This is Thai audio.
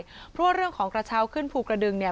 เพราะว่าเรื่องของกระเช้าขึ้นภูกระดึงเนี่ย